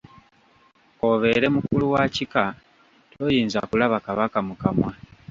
K’obeere mukulu wa kika toyinza kulaba Kabaka mu kamwa.